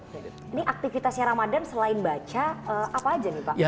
ini aktivitasnya ramadan selain baca apa aja nih pak